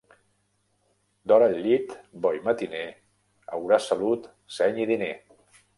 D'hora al llit, bo i matiner, hauràs salut, seny i diner.